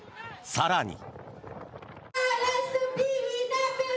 更に。